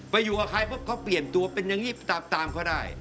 อยู่กับใครปุ๊บเขาเปลี่ยนตัวเป็นอย่างนี้ตามเขาได้